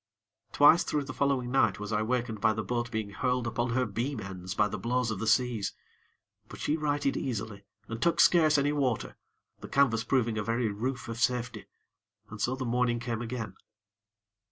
Twice through the following night was I wakened by the boat being hurled upon her beam ends by the blows of the seas; but she righted easily, and took scarce any water, the canvas proving a very roof of safety. And so the morning came again.